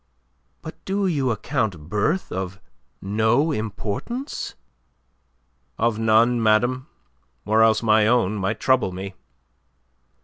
"But do you account birth of no importance?" "Of none, madame or else my own might trouble me."